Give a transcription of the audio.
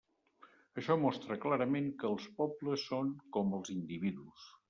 Això mostra clarament que els pobles són com els individus.